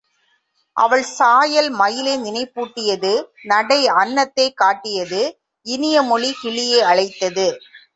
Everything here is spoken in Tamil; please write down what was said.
அவள் சாயல் மயிலை நினைப்பூட்டியது நடை அன்னத்தைக் காட்டியது இனிய மொழி கிளியை அழைத்தது.